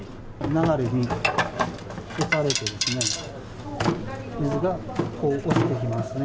流れに押されて、水が押してきますね。